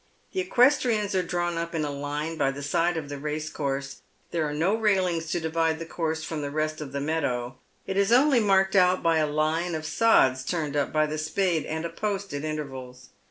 The equestrians are drawn up in a line by the side of the rare course. There are no railings to divide the course from the rest of the meadow. It is only marked out by a line of sods turned up by the spade, and a post at intervals.